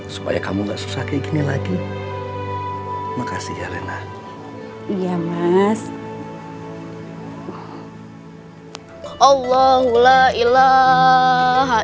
supaya aku bisa mencari kerjaan yang lebih baik untuk diri aku dan rina dan rina juga yang lainnya ya mas